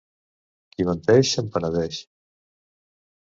Qui menteix se'n penedeix.